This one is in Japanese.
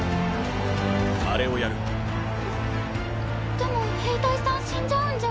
でも兵隊さん死んじゃうんじゃ。